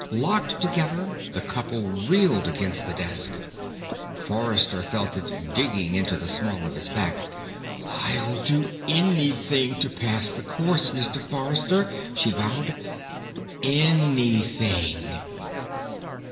Locked together, the couple reeled against the desk. Forrester felt it digging into the small of his back. "I'll do anything to pass the course, Mr. Forrester!" she vowed. "Anything!"